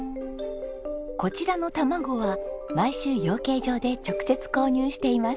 こちらの卵は毎週養鶏場で直接購入しています。